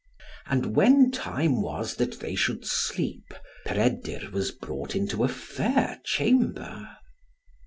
And when time was that they should sleep, Peredur was brought into a fair chamber.